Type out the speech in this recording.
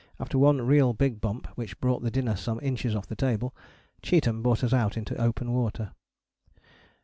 after one real big bump which brought the dinner some inches off the table, Cheetham brought us out into open water."